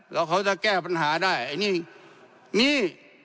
แล้วเขาจะแก้ปัญหาได้ไอ้นี่มี